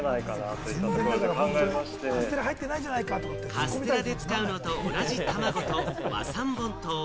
カステラで使うのと同じたまごと和三盆糖。